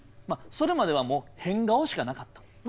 それまではもう変顔しかなかった。